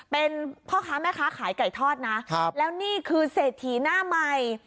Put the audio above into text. เป็นพ่อค้าแม่ค้าขายไก่ทอดนะแล้วนี่คือเศรษฐีหน้าใหม่